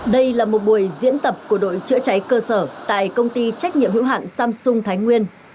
đây là một buổi diễn tập của đội chữa cháy cơ sở tại công ty trách nhiệm hữu hạn samsung thái nguyên